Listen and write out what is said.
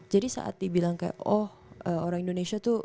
jadi saat dibilang kayak oh orang indonesia tuh